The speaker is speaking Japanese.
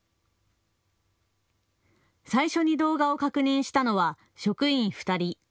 最初に動画を確認したのは職員２人。